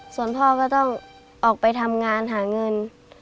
ส่วนพ่อก็ต้องออกไปทำงานหาเงิน